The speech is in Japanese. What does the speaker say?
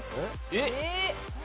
えっ？